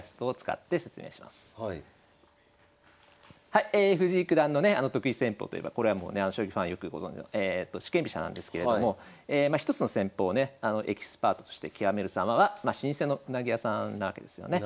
はい藤井九段のね得意戦法といえばこれはもうね将棋ファンよくご存じの四間飛車なんですけれども一つの戦法をねエキスパートとして極めるさまは老舗のウナギ屋さんなわけですよね。